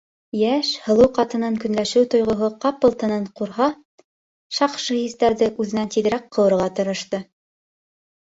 Йәш, һылыу ҡатынын көнләшеү тойғоһо ҡапыл тынын ҡурһа, шаҡшы хистәрҙе үҙенән тиҙерәк ҡыуырға тырышты.